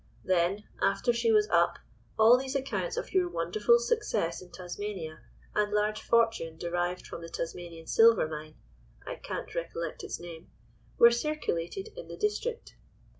"Then, after she was up, all these accounts of your wonderful success in Tasmania, and large fortune derived from the Tasmanian Silver Mine (I can't recollect its name) were circulated in the district.